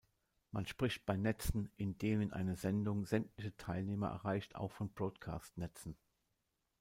Man spricht bei Netzen, in denen eine Sendung sämtliche Teilnehmer erreicht, auch von Broadcast-Netzen.